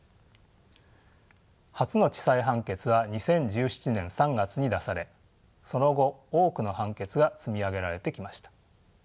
初の地裁判決は２０１７年３月に出されその後多くの判決が積み上げられてきました。